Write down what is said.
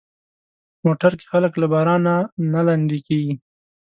موټر کې خلک له بارانه نه لندي کېږي.